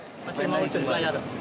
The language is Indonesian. masih mau jadi pelayar